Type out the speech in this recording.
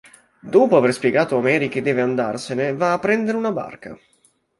Dopo aver spiegato a Mary che deve andarsene, va a prendere una barca.